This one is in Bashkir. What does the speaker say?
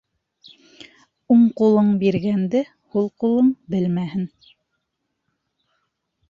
Уң ҡулың биргәнде һул ҡулың белмәһен.